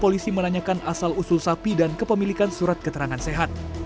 polisi menanyakan asal usul sapi dan kepemilikan surat keterangan sehat